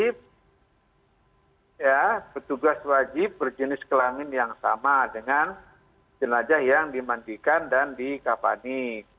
b petugas wajib berjenis kelamin yang sama dengan jenazah yang dimandikan dan dikapani